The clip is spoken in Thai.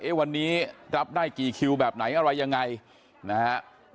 วันนี้รับได้กี่คิวแบบไหนอะไรยังไงนะฮะ